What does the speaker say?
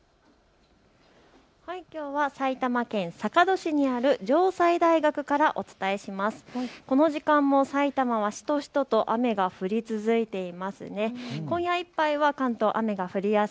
きょうは埼玉県坂戸市にある城西大学からお伝えします。